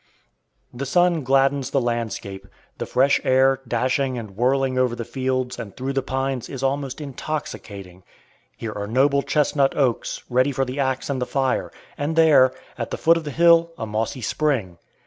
The sun gladdens the landscape; the fresh air, dashing and whirling over the fields and through the pines is almost intoxicating. Here are noble chestnut oaks, ready for the axe and the fire; and there, at the foot of the hill, a mossy spring.